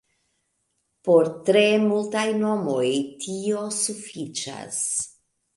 Por tre multaj nomoj tio sufiĉas.